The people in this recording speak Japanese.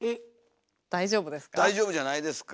大丈夫ですか？